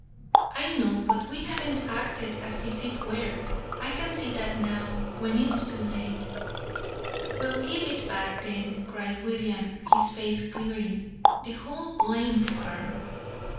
"I know but we haven't acted as if it were. I can see that now, when it's too late." "We'll give it back, then," cried William, his face clearing; "the whole blamed farm!"